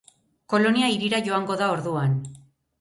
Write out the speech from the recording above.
Kolonia hirira joango da orduan.